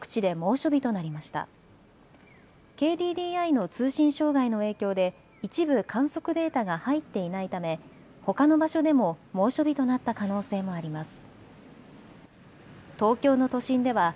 ＫＤＤＩの通信障害の影響で一部、観測データが入っていないため、ほかの場所でも猛暑日となった可能性もあります。